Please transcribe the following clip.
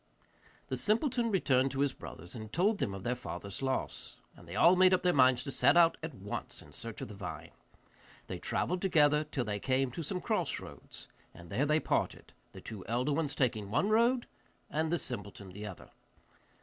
The simpleton returned to his brothers and told them of their father's loss, and they all made up their minds to set out at once in search of the vine. They travelled together till they came to some cross roads, and there they parted, the two elder ones taking one road, and the simpleton the other.